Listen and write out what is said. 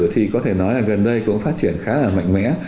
thì có thể nói là gần đây cũng phát triển khá là mạnh mẽ